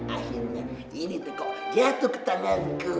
akhirnya ini tuh kok jatuh ke tanganku